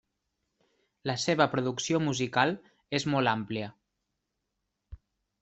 La seva producció musical és molt àmplia.